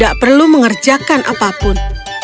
dan tidak perlu mengerjakan apapun